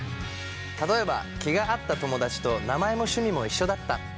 例えば気が合った友だちと名前も趣味も一緒だった。